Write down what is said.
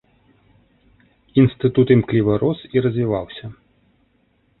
Інстытут імкліва рос і развіваўся.